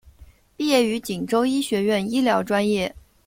毕业于锦州医学院医疗专业。